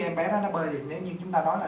em bé đó nó bơi thì nếu như chúng ta nói là